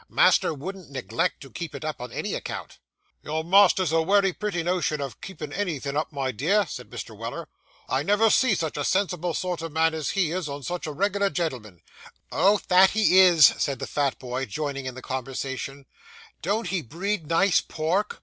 Master wouldn't neglect to keep it up on any account.' 'Your master's a wery pretty notion of keeping anythin' up, my dear,' said Mr. Weller; 'I never see such a sensible sort of man as he is, or such a reg'lar gen'l'm'n.' Oh, that he is!' said the fat boy, joining in the conversation; 'don't he breed nice pork!